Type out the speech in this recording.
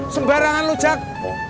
sembarangan lu jack